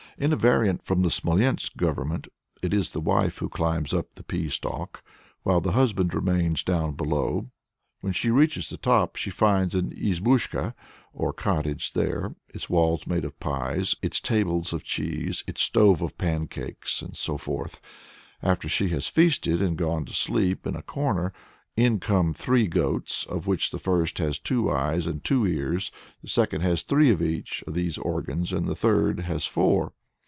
In a variant from the Smolensk Government, it is the wife who climbs up the pea stalk, while the husband remains down below. When she reaches the top, she finds an izbushka or cottage there, its walls made of pies, its tables of cheese, its stove of pancakes, and so forth. After she has feasted and gone to sleep in a corner, in come three goats, of which the first has two eyes and two ears, the second has three of each of these organs, and the third has four.